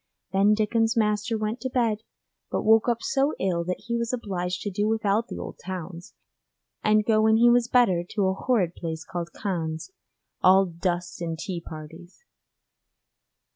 Then Dickon's master went to bed, but woke up so ill that he was obliged to do without the old towns, and go when he was better to a horrid place called Cannes, all dust and tea parties.